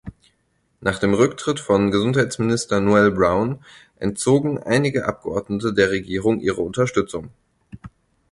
Nach dem Rücktritt von Gesundheitsminister Noel Browne entzogen einige Abgeordnete der Regierung ihre Unterstützung.